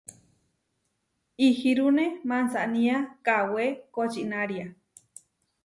Ihirúne mansanía kawé kočinária.